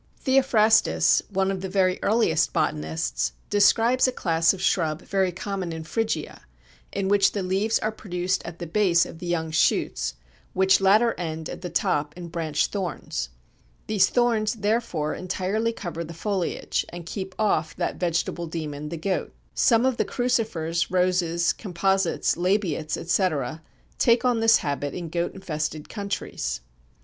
Theophrastus (one of the very earliest botanists see p. 37) describes a class of shrub very common in Phrygia, in which the leaves are produced at the base of the young shoots, which latter end at the top in branch thorns. These thorns, therefore, entirely cover the foliage and keep off that vegetable demon the goat. Some of the Crucifers, Roses, Composites, Labiates, etc., take on this habit in goat infested countries. Kerner, _l.